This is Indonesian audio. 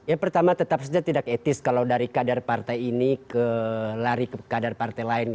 ya pertama tetap saja tidak etis kalau dari kadar partai ini lari ke kadar partai lain